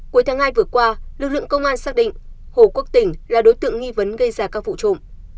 cuối tháng hai vừa qua lực lượng công an xác định hồ quốc tỉnh là đối tượng nghi vấn gây ra các vụ trộm